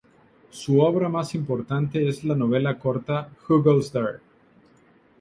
Su obra más importante es la novela corta "Who Goes There?